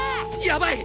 やばい！